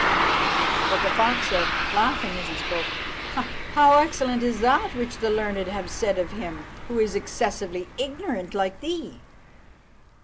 But the fox said, laughing as he spoke, "How excellent is that which the learned have said of him who is excessively ignorant like thee!"